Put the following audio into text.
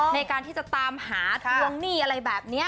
ในการที่จะตามหาทวงหนี้อะไรแบบนี้